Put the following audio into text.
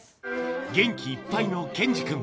元気いっぱいの剣侍くん。